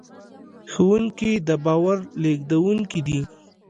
ښوونکي د باور لېږدونکي دي.